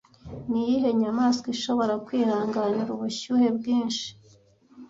Ni iyihe nyamaswa ishobora kwihanganira ubushyuhe bwinshi